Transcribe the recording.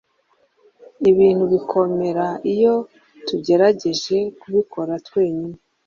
Ibintu bikomera iyo tugerageje kubikora twenyine